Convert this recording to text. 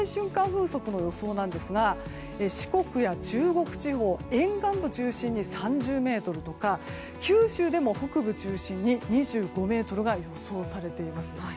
風速の予想なんですが四国や中国地方、沿岸部中心に３０メートルとか九州も北部中心に２５メートルが予想されています。